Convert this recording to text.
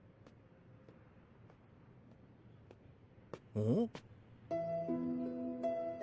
うん？